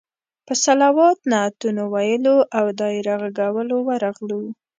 په صلوات، نعتونو ویلو او دایره غږولو ورغلو.